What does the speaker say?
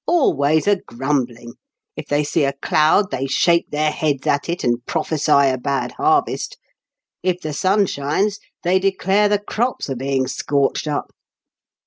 Always a grumbling : if they see a cloud they shake their heads at it, and prophesy a bad harvest ; if the sun shines, they declare the crops are being scorched up.